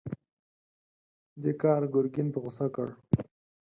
دې کار ګرګين په غوسه کړ.